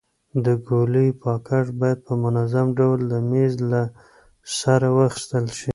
د ګولیو پاکټ باید په منظم ډول د میز له سره واخیستل شي.